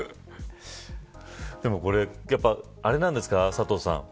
でも、あれなんですか佐藤さん。